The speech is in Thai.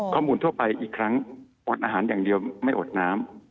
ข้อมูลทั่วไปอีกครั้งอดอาหารอย่างเดียวไม่อดน้ำ